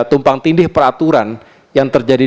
tumpang tindih peraturan yang terjadi